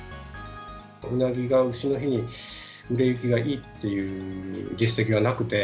うなぎがうしの日に売れ行きがいいっていう実績がなくて、